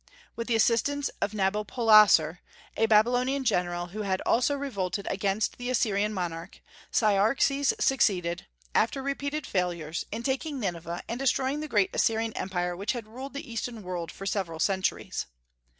With the assistance of Nabopolassar, a Babylonian general who had also revolted against the Assyrian monarch, Cyaxares succeeded, after repeated failures, in taking Nineveh and destroying the great Assyrian Empire which had ruled the Eastern world for several centuries.